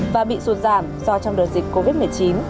và bị sụt giảm do trong đợt dịch covid một mươi chín